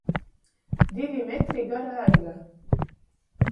Divi metri gara egle.